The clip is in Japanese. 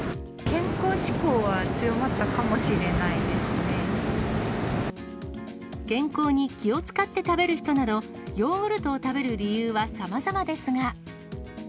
健康志向は強まったかもしれ健康に気を遣って食べる人など、ヨーグルトを食べる理由はさまざまですが。